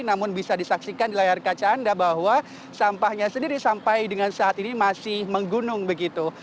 namun bisa disaksikan di layar kaca anda bahwa sampahnya sendiri sampai dengan saat ini masih menggunung begitu